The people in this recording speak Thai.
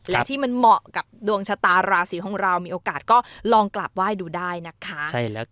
และที่มันเหมาะกับดวงชะตาราศีของเรามีโอกาสก็ลองกลับไหว้ดูได้นะคะ